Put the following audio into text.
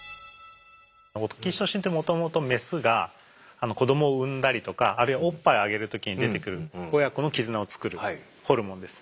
オキシトシンってもともとメスが子どもを産んだりとかあるいはおっぱいあげる時に出てくる親子の絆をつくるホルモンです。